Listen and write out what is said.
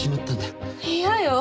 嫌よ。